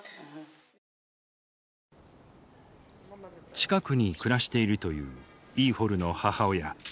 近くに暮らしているというイーホルの母親。